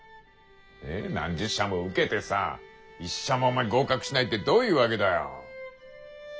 何十社も受けてさ一社もお前合格しないってどういうわけだよ。